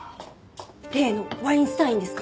例のワインスタインですか？